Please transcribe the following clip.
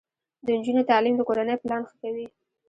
د نجونو تعلیم د کورنۍ پلان ښه کوي.